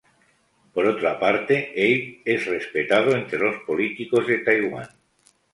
Por otra parte, Abe es respetado entre los políticos de Taiwán.